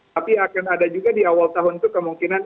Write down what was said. tapi akan ada juga di awal tahun itu kemungkinan